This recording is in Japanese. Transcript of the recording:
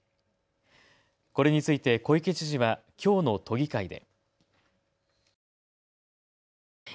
これについて小池知事はきょうの都議会で。